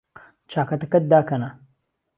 چاکەتەکەت داکەنە.